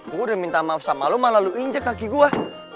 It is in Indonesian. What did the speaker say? gua udah minta maaf sama lu malah lu injek kaki gua